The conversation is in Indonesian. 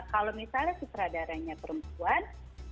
kalau misalnya sutradaranya perempuan